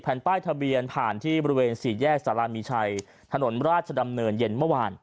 ป้ายทะเบียนผ่านที่บริเวณสี่แยกสารามีชัยถนนราชดำเนินเย็นเมื่อวาน